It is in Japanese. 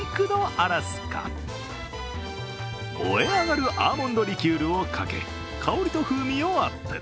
・アラスカ燃え上がるアーモンドリキュールをかけ、香りと風味をアップ。